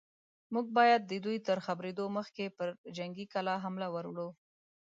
موږ بايد د دوی تر خبرېدو مخکې پر جنګي کلا حمله ور وړو.